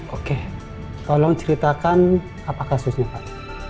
oke tolong ceritakan apa kasusnya pak